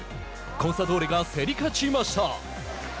コンサドーレが競り勝ちました。